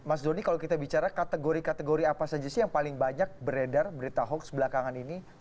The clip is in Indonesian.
mas doni kalau kita bicara kategori kategori apa saja sih yang paling banyak beredar berita hoax belakangan ini